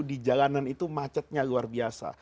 di jalanan itu macetnya luar biasa